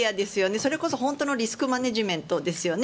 それこそ本当のリスクマネジメントですよね。